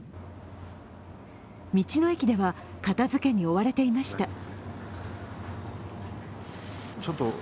道の駅では片づけに追われていました。